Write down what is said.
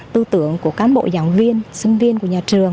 tư tưởng của cán bộ giảng viên